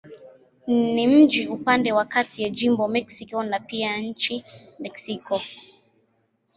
Ni mji upande wa kati ya jimbo Mexico na pia nchi Mexiko.